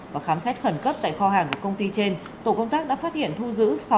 và khám xét khẩn cấp tại kho hàng của công ty trên tổ công tác đã phát hiện thu giữ